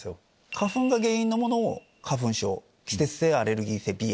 花粉が原因のものを花粉症季節性アレルギー性鼻炎。